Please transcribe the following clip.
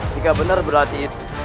jika benar berarti itu